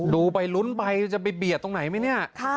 ดูไปลุ้นไปจะไปเบียดตรงไหนไหมเนี่ย